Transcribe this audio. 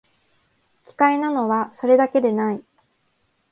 奇怪なのは、それだけでない